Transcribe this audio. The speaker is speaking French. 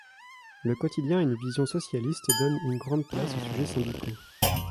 Le quotidien a une vision socialiste, et donne une grande place aux sujets syndicaux.